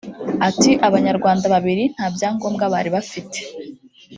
Ati” Abanyarwanda babiri nta byangombwa bari bafite